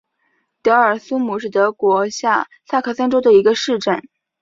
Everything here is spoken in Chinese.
德尔苏姆是德国下萨克森州的一个市镇。